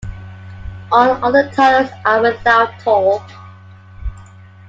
All other tunnels are without toll.